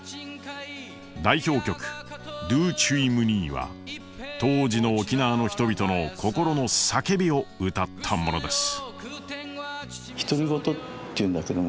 代表曲「ドゥーチュイムニイ」は当時の沖縄の人々の心の叫びを歌ったものです。